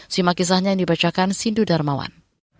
simak kisahnya yang dibacakan sindu darmawan